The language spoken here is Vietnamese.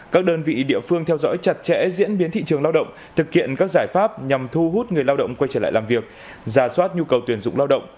các đơn vị địa phương theo dõi chặt chẽ diễn biến thị trường lao động thực hiện các giải pháp nhằm thu hút người lao động quay trở lại làm việc giả soát nhu cầu tuyển dụng lao động